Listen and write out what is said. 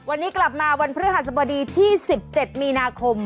วันนี้กลับมาวันพฤหัสบดีที่๑๗มีนาคม